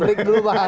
berik dulu bang